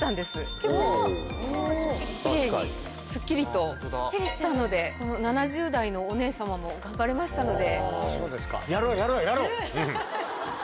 結構奇麗にすっきりとしたのでこの７０代のお姉様も頑張れましたので。